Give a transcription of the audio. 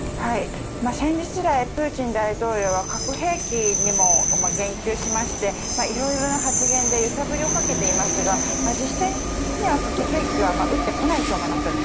先日来、プーチン大統領は核兵器にも言及しまして、いろいろな発言で揺さぶりをかけていますが実際には核兵器は撃ってこないと思います。